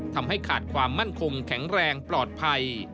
ทำให้ขาดความมั่นคงแข็งแรงปลอดภัย